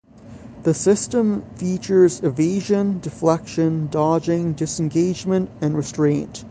The system features evasion, deflection, dodging, disengagement, and restraint.